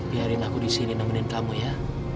biarin aku disini nemenin kamu ya